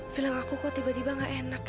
filang aku kok tiba tiba enggak enak ya